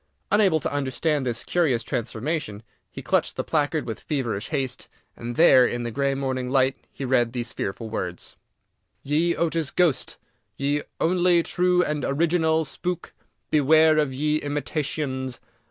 Unable to understand this curious transformation, he clutched the placard with feverish haste, and there, in the grey morning light, he read these fearful words: ++| YE OTIS GHOSTE || Ye Onlie True and Originale Spook, || Beware of Ye Imitationes.